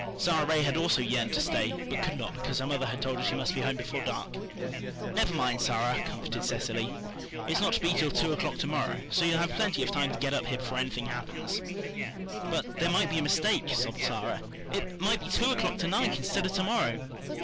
Sara Ray had also yearned to stay, but could not because her mother had told her she must be home before dark. "Never mind, Sara," comforted Cecily. "It's not to be till two o'clock to morrow, so you'll have plenty of time to get up here before anything happens." "But there might be a mistake," sobbed Sara. "It might be two o'clock to night instead of to morrow."